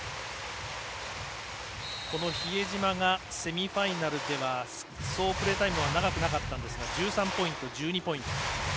この比江島がセミファイナルでは総プレータイムは長くなかったんですが１３ポイント、１２ポイント。